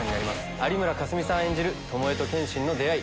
有村架純さん演じる巴と剣心の出会い。